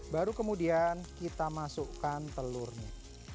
baru kemudian kita masukkan telurnya